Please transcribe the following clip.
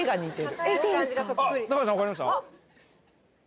あっ橋さん分かりました？